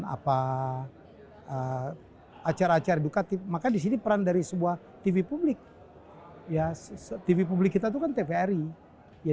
apa acara acara edukatif maka disini peran dari sebuah tv publik ya tv publik kita itu kan tvri ya